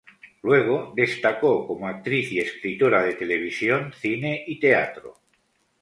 Luego destacó como actriz y escritora de televisión, cine y teatro.